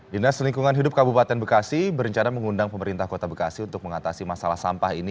dinas lingkungan hidup kabupaten bekasi berencana mengundang pemerintah kota bekasi untuk mengatasi masalah sampah ini